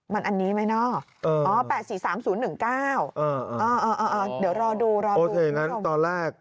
มันอันนี้ไหมเนาะ๘๔๓๐๑๙เดี๋ยวรอดูรอดูโอเคอย่างนั้นตอนแรก